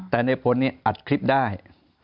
แต่นายพลอัดคลิปได้